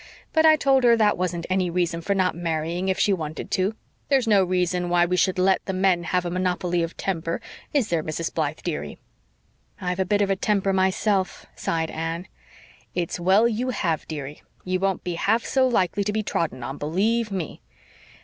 But I told her that wasn't any reason for not marrying if she wanted to. There's no reason why we should let the men have a monopoly of temper, is there, Mrs. Blythe, dearie?" "I've a bit of temper myself," sighed Anne. "It's well you have, dearie. You won't be half so likely to be trodden on, believe ME!